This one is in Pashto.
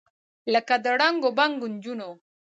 لکه د ړنګو بنګو نجونو،